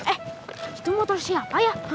eh itu motor siapa ya